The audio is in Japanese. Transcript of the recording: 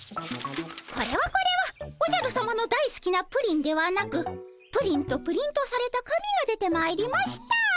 これはこれはおじゃるさまのだいすきなプリンではなく「プリン」とプリントされた紙が出てまいりました。